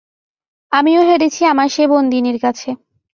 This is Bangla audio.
আমিও হেরেছি আমার সেই বন্দিনীর কাছে।